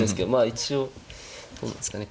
一応どうなんですかね